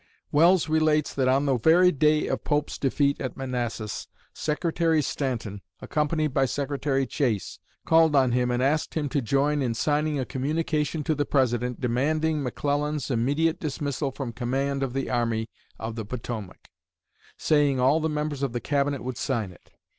Welles relates that on the very day of Pope's defeat at Manassas, Secretary Stanton, accompanied by Secretary Chase, called on him and asked him to join in signing a communication to the President demanding McClellan's immediate dismissal from command of the Army of the Potomac, saying all the members of the Cabinet would sign it.